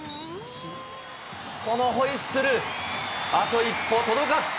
このホイッスル、あと一歩届かず。